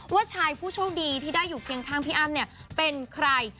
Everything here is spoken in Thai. ว่าชายผู้โชคดีที่ได้อยู่เคียงข้างพี่อ้ำเนี่ยเป็นใคร